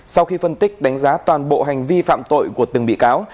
sau khi phân tích đánh giá toàn bộ hành vi phạm tội của từng bị cáo